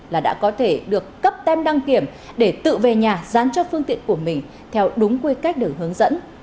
là đã có thể được cấp tem đăng kiểm để tự về nhà dán cho phương tiện của mình theo đúng quy cách đường hướng dẫn